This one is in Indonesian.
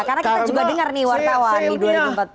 karena kita juga dengar nih wartawan di dua ribu empat belas